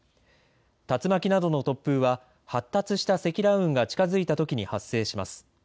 竜巻などの突風は発達した積乱雲が近づいたときに発生します。